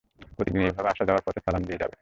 প্রতিদিন এভাবে আসা যাওয়ার পথে সালাম দিয়ে যাবে।